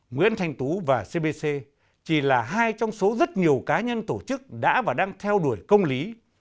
nguyễn thanh tú và cbc chỉ là hai trong số rất nhiều cá nhân tổ chức đã và đang theo đuổi công lý